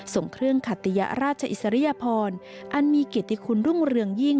ส่งเครื่องขัตยราชอิสริยพรอันมีเกียรติคุณรุ่งเรืองยิ่ง